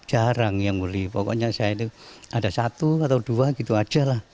jarang yang mulia pokoknya saya itu ada satu atau dua gitu aja lah